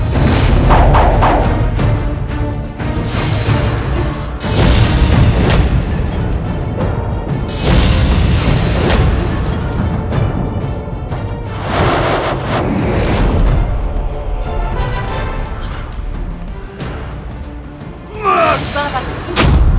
bawa mereka ke penjara